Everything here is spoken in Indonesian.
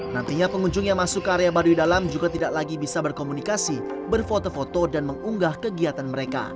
nantinya pengunjung yang masuk ke area baduy dalam juga tidak lagi bisa berkomunikasi berfoto foto dan mengunggah kegiatan mereka